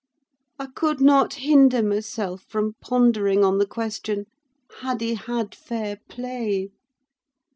I could not hinder myself from pondering on the question—"Had he had fair play?"